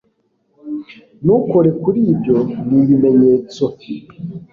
ntukore kuri ibyo. nibimenyetso